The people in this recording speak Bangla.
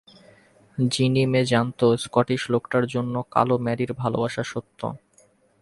জিনি মে জানতো, স্কটিশ লোকটার জন্য কালো ম্যারির ভালোবাসা সত্য।